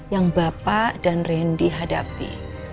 yang bapak dan randy hadapi